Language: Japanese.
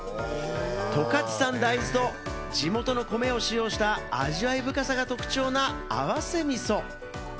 十勝産大豆と地元の米を使用した味わい深さが特徴な合わせみそ。